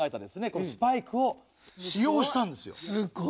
このスパイクを使用したんですよ。